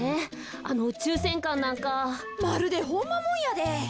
あのうちゅうせんかんなんか。まるでホンマもんやで。